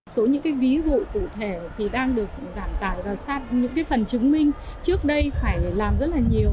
số những cái ví dụ cụ thể thì đang được giảm tải và sát những cái phần chứng minh trước đây phải làm rất là nhiều